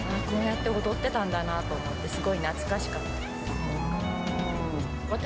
こうやって踊ってたんだなと思って、すごい懐かしかったです。